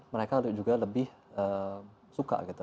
mereka juga lebih suka gitu